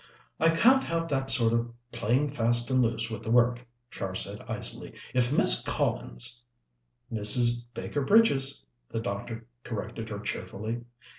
"I can't have that sort of playing fast and loose with the work," Char said icily. "If Miss Collins " "Mrs. Baker Bridges," the doctor corrected her cheerfully.